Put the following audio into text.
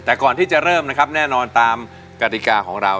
แต่ก่อนที่จะเริ่มนะครับแน่นอนตามกฎิกาของเรา